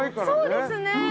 そうですね。